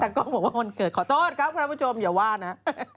แต่กล้องบอกว่าวันเกิดขอโทษครับคุณผู้ชมอย่าว่านะ